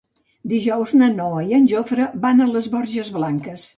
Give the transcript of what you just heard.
Dijous na Noa i en Jofre van a les Borges Blanques.